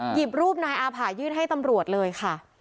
หยิบรูปนายอาผ่ายื่นให้ตำรวจเลยค่ะ